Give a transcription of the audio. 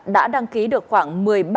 đã đăng ký được khoảng một mươi ba